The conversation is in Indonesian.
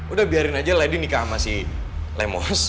udah biarin aja lady nikah sama si lemos